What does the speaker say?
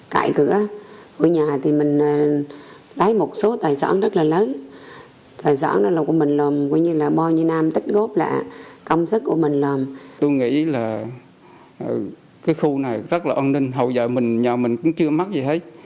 cái khu này rất là an ninh hầu dạo nhà mình cũng chưa mắc gì hết